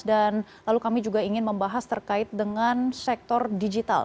dan lalu kami juga ingin membahas terkait dengan sektor digital